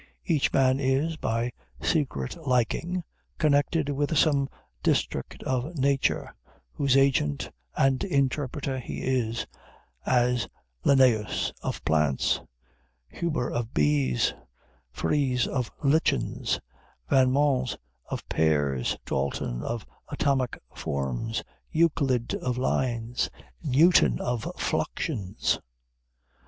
Each man is, by secret liking, connected with some district of nature, whose agent and interpreter he is, as Linnæus, of plants; Huber, of bees; Fries, of lichens; Van Mons, of pears; Dalton, of atomic forms; Euclid, of lines; Newton, of fluxions.